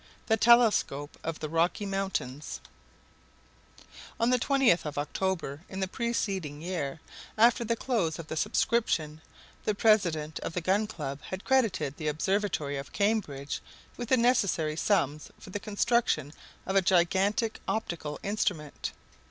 THE TELESCOPE OF THE ROCKY MOUNTAINS On the 20th of October in the preceding year, after the close of the subscription, the president of the Gun Club had credited the Observatory of Cambridge with the necessary sums for the construction of a gigantic optical instrument.